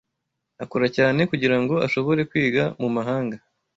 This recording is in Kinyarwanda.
Akora cyane kugirango ashobore kwiga mumahanga.